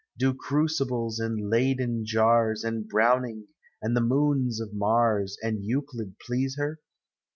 Do crucibles and Ley den jars. And Hrowning, and the moons of Mars, And Euclid, please her?